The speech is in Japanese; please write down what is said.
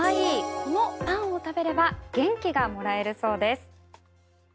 このパンを食べれば元気がもらえるそうです。